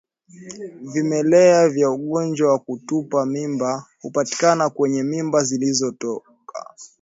Vimelea vya ugonjwa wa kutupa mimba hupatikana kwenye mimba zilizotoka